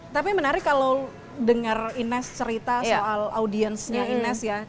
tapi menarik kalau dengar ines cerita soal audiensnya